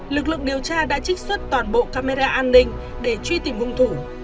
lực lượng điều tra đã trích xuất toàn bộ camera an ninh để truy tìm hung thủ